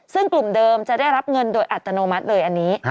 ซึ่งกลุ่มเดิมจะได้รับเงินโดยอัตโนมัติเลยอันนี้